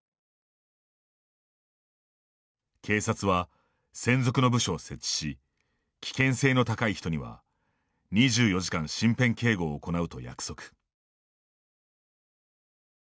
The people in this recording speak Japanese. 警察は、専属の部署を設置し危険性の高い人には２４時間身辺警護を行うと約束。